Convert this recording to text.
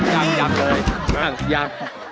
ยังเลยยัง